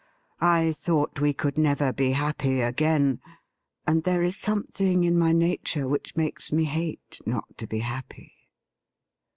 I thought we could never be happy again, and there is something in my nature which makes me hate not to be happy.'